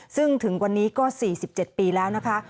ซึ่งถึงวันนี้ก็๔๗ปีแล้วนะคะ